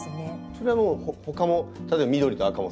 それはほかも例えば緑と赤も？